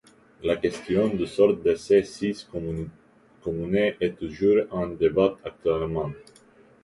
La question du sort de ces six communes est toujours en débat actuellement.